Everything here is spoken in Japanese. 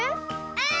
うん！